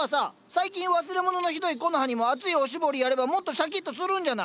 最近忘れ物のひどいコノハにも熱いおしぼりやればもっとシャキッとするんじゃない？